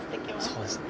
そうですね。